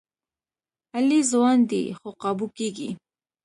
علي ځوان دی، خو قابو کېږي.